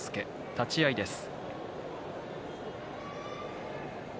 立ち合いです。